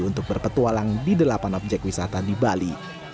untuk berpetualang di delapan objek wisata di bali